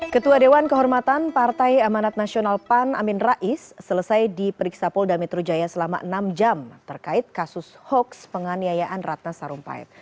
ketua dewan kehormatan partai amanat nasional pan amin rais selesai diperiksa polda metro jaya selama enam jam terkait kasus hoaks penganiayaan ratna sarumpait